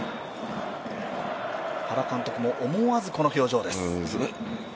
原監督も思わず、この表情です。